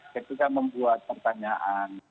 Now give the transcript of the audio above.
kita membuat pertanyaan